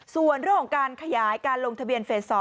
ส่วนเรื่องของการขยายการลงทะเบียนเฟส๒